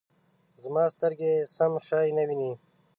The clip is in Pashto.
زما سترګې سم شی نه وینې